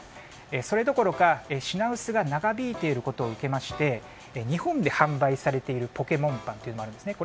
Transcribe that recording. それどころか、品薄が長引いていることを受けまして日本で販売されているポケモンパンもあるんですね。